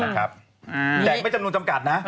แต่ไม่จำนวนจำกัดนะ